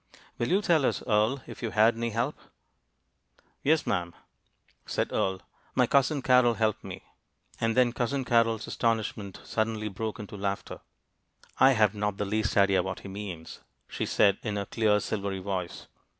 Will you tell us, Earle, if you had any help?" "Yes'm," said Earle. "My Cousin Carrol helped me." And then Cousin Carrol's astonishment suddenly broke into laughter. "I have not the least idea what he means," she said, in her clear, silvery voice.